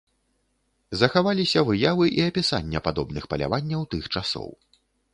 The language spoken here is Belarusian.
Захаваліся выявы і апісання падобных паляванняў тых часоў.